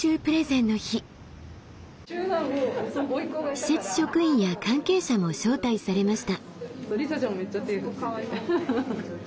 施設職員や関係者も招待されました。